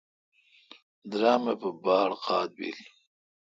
درم اے° پہ باڑ قاد بل۔